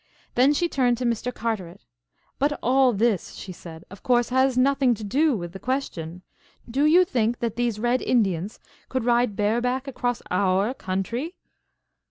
Then she turned to Mr. Carteret. "But all this," she said, "of course, has nothing to do with the question. Do you think that these red Indians could ride bareback across our country?"